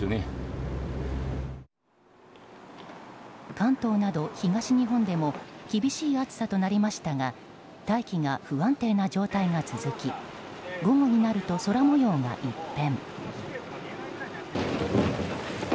関東など東日本でも厳しい暑さとなりましたが大気が不安定な状態が続き午後になると空模様が一変。